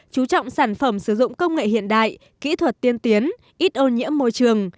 chú trọng sản phẩm sử dụng công nghệ hiện đại kỹ thuật tiên tiến ít ô nhiễm môi trường